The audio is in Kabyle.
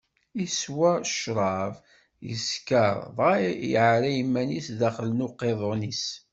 Iswa ccṛab, iskeṛ, dɣa iɛerra iman-is daxel n uqiḍun-is.